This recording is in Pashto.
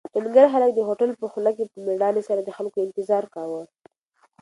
ډنکر هلک د هوټل په خوله کې په مېړانې سره د خلکو انتظار کاوه.